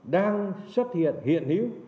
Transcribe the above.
đang xuất hiện hiện hiếu